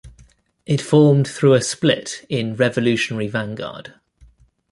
It formed through a split in Revolutionary Vanguard.